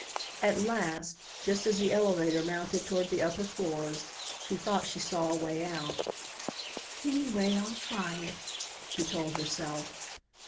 At last, just as the elevator mounted toward the upper floors, she thought she saw a way out. "Anyway, I'll try it," she told herself.